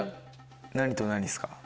何と何ですか？